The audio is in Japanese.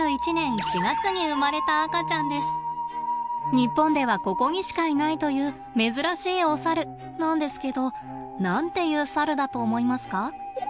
日本ではここにしかいないという珍しいおサルなんですけど何ていうサルだと思いますか？